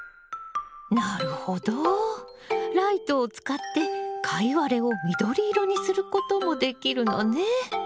なるほどライトを使ってカイワレを緑色にすることもできるのね。